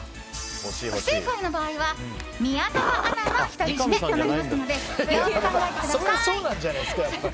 不正解の場合は、宮澤アナの独り占めとなりますのでよく考えてください！